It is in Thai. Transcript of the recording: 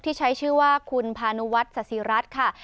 ที่ใช้ชื่อว่าคุณพานุวัฒน์สสิรัตน์ค่ะ